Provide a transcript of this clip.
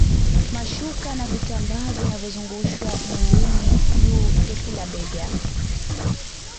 Mashuka na vitambaa vinavyozungushwa mwilini juu ya kila bega